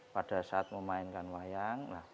pada saat memainkan wayang